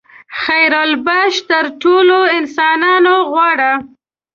خیرالبشر تر ټولو انسانانو غوره.